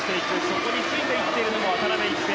そこについていっている渡辺一平。